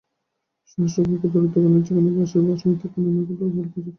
শহরের সর্বাপেক্ষা দরিদ্রগণের যেখানে বাস, সেখানে একটি মৃত্তিকা নির্মিত কুটীর ও হল প্রস্তুত কর।